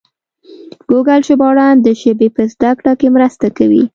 ګوګل ژباړن د ژبې په زده کړه کې مرسته کوي.